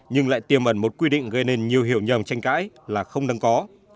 nhưng lại tiềm ẩn một quy định gây nên nhiều hiểu nhầm tranh cãi là không đáng có